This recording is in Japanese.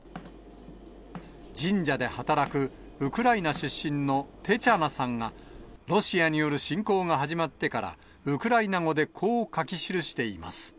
神社で働くウクライナ出身のテチャナさんが、ロシアによる侵攻が始まってから、ウクライナ語でこう書き記しています。